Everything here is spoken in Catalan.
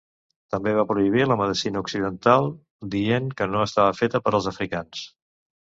També va prohibir la medicina occidental, dient que no estava feta per als africans.